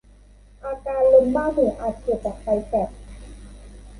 อาการลมบ้าหมูอาจเกิดจากไฟแฟลช